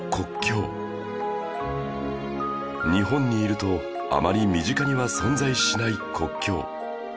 日本にいるとあまり身近には存在しない国境